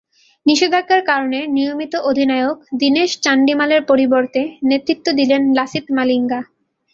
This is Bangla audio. নিষেধাজ্ঞার কারণে নিয়মিত অধিনায়ক দিনেশ চান্ডিমালের পরিবর্তে নেতৃত্ব দিলেন লাসিথ মালিঙ্গা।